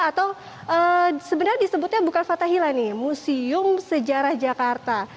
atau sebenarnya disebutnya bukan fathahila nih museum sejarah jakarta